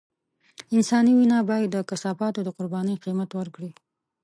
انساني وينه بايد د کثافاتو د قربانۍ قيمت ورکړي.